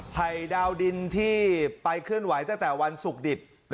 ภัยดาวดินที่ไปเคลื่อนไหวตั้งแต่วันศุกร์ดิบ